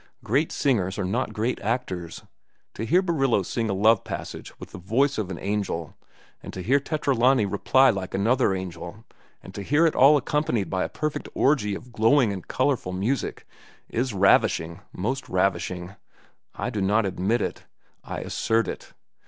Great singers are not great actors. To hear Barillo sing a love passage with the voice of an angel, and to hear Tetralani reply like another angel, and to hear it all accompanied by a perfect orgy of glowing and colorful music—is ravishing, most ravishing. I do not admit it. I assert it.